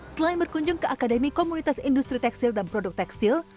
selain berkunjung ke akademi komunitas industri tekstil dan produk tekstil